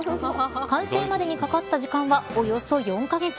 完成までにかかった時間はおよそ４カ月。